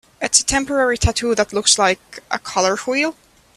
It's a temporary tattoo that looks like... a color wheel?